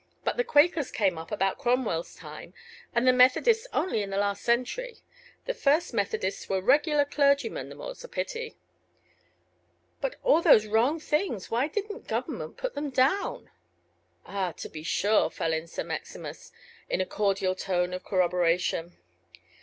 But the Quakers came up about Cromwell's time, and the Methodists only in the last century. The first Methodists were regular clergymen, the more's the pity." "But all those wrong things, why didn't government put them down?" "Ah, to be sure," fell in Sir Maximus, in a cordial tone of corroboration.